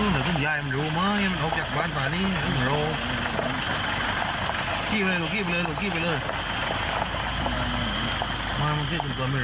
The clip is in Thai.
น้องยิ่งขวันนู้นตรงนนขี้มาอีกคนเดียว